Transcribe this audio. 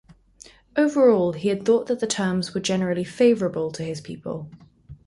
Overall, he had thought that the terms were generally favourable to his people.